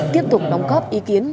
tiếp tục đóng góp ý kiến